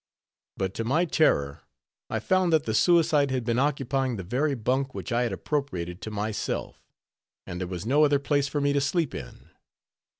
But to my terror, I found that the suicide had been occupying the very bunk which I had appropriated to myself, and there was no other place for me to sleep in.